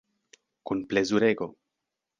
Kun plezurego.